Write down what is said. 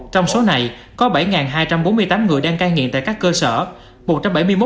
trong số này có bảy hai trăm bốn mươi tám người đang cai nghiện tại các cơ sở một trăm bảy mươi một người đang bị tạm giam hoặc tạm giữ